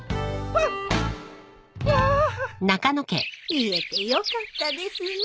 言えてよかったですね。